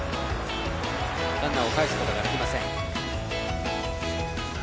ランナーをかえすことができません。